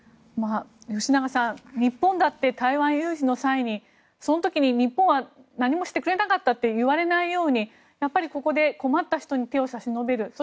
吉永さん、日本だって台湾有事の際にその時に日本は何もしてくれなかったって言われないようにここで困った人に手を差し伸べる。